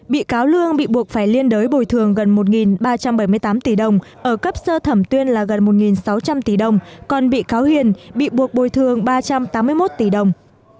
bị cáo lương bị buộc phải liên đới bồi thường gần một ba trăm bảy mươi tám tỷ đồng ở cấp sơ thẩm tuyên là gần một sáu trăm linh tỷ đồng còn bị cáo hiền bị buộc bồi thường ba trăm tám mươi một tỷ đồng